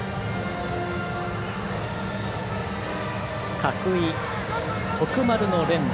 角井、徳丸の連打。